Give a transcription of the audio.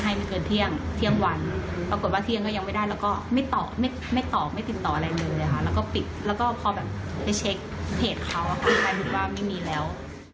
ใส่เทศเทศเขาคนไทยคิดว่าไม่มีแล้ว